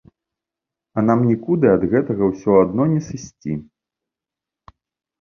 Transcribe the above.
І нам нікуды ад гэтага ўсё адно не сысці.